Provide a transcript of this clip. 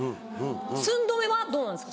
寸止めはどうなんですか？